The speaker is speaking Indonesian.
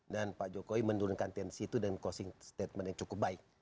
dan pak jokowi menurunkan tensi itu dengan closing statement yang cukup baik